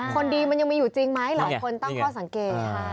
คนดีมันยังมีอยู่จริงไหมหลายคนตั้งข้อสังเกต